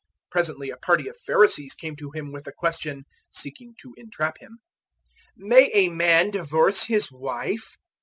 010:002 Presently a party of Pharisees come to Him with the question seeking to entrap Him, "May a man divorce his wife?"